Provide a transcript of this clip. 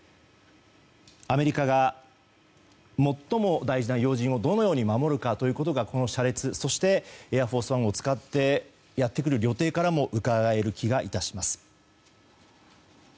アメリカが最も大事な要人をどのように守るかがこの車列、そして「エアフォースワン」を使ってやってくる旅程からもうかがえる気がいたします。